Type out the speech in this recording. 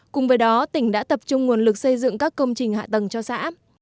cùng với đó tỉnh đã tập trung nguồn lực xây dựng các công trình hạ tầng cho xã